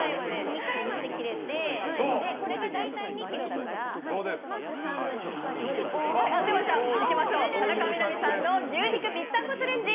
２回まで切れてこれが大体２ｋｇだから田中みな実さんの牛肉ぴったんこチャレンジ